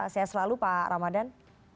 saya selalu pak ramadan